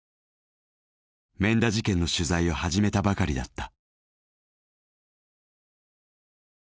免田事件の取材を始めたばかりだった。